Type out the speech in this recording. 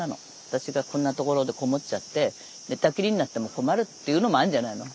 私がこんなところでこもっちゃって寝たきりになっても困るっていうのもあるんじゃないの。